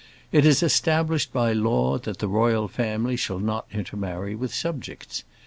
It is established by law, that the royal family shall not intermarry with subjects.